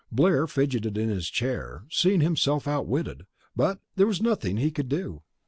Blair fidgeted in his chair, seeing himself outwitted, but there was nothing he could do.